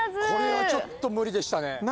これはちょっと無理でしたね。